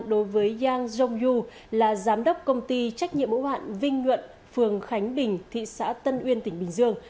đối với yang zhongyu là giám đốc công ty trách nhiệm ổ hạn vinh nhuận phường khánh bình thị xã tân uyên tỉnh bình dương